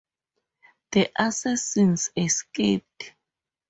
The assassins escaped.